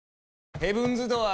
ヘブンズ・ドアー！